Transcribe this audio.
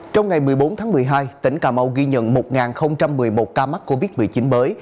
trong ngày một mươi bốn tháng một mươi hai tỉnh cà mau ghi nhận một một mươi một ca mắc covid một mươi chín mới